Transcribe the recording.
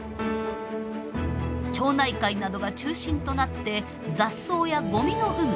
町内会などが中心となって雑草やごみの有無